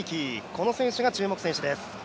この選手が注目選手です。